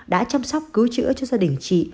đã chăm sóc cứu chữa cho gia đình chị